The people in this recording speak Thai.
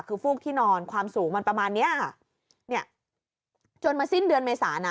คือฟูกที่นอนความสูงมันประมาณเนี้ยค่ะเนี่ยจนมาสิ้นเดือนเมษานะ